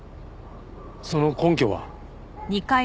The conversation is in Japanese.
その根拠は？